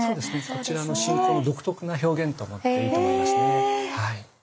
こちらの信仰の独特な表現と思っていいと思いますね。